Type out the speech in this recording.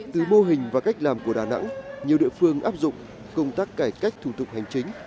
từ mô hình và cách làm của đà nẵng nhiều địa phương áp dụng công tác cải cách thủ tục hành chính